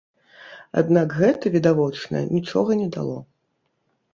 Аднак гэта, відавочна, нічога не дало.